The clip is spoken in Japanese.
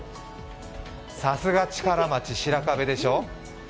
さすが主税町、白壁でしょ？